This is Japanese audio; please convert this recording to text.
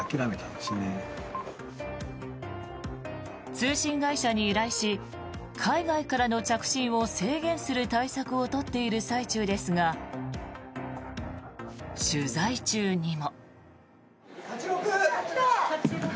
通信会社に依頼し海外からの着信を制限する対策を取っている最中ですが取材中にも。